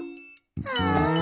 ああ。